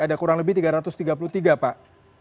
ada kurang lebih tiga ratus tiga puluh tiga pak